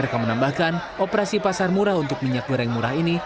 mereka menambahkan operasi pasar murah untuk minyak goreng murah ini